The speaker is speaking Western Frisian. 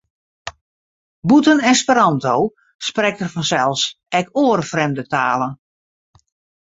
Bûten Esperanto sprekt er fansels ek oare frjemde talen.